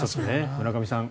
村上さん